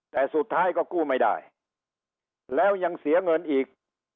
แต่สุดท้ายก็กู้ไม่ได้แล้วยังเสียเงินอีก